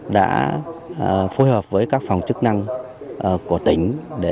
đã phối hợp với các phòng chức năng của tỉnh